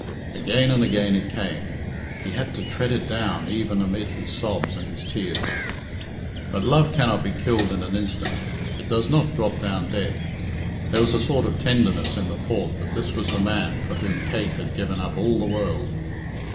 Again and again it came. He had to tread it down even amid his sobs and his tears. But love cannot be killed in an instant. It does not drop down dead. There was a sort of tenderness in the thought that this was the man for whom Kate had given up all the world.